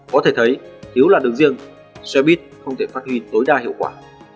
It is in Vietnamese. có thể thấy thiếu là đường riêng xe buýt không thể phát huy tối đa hiệu quả